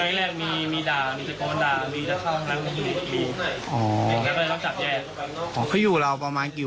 แต่คือข้าวขนมมีอะไรถ้ามีอะไรเขาจากตามเป็นเนี้ย